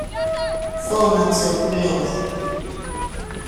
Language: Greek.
φώναξε ο κουλός.